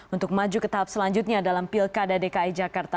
untuk maju ke tahap selanjutnya dalam pilkada dki jakarta